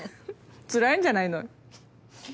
つらいんじゃないのフフ。